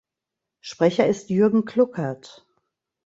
Sprecher ist Jürgen Kluckert.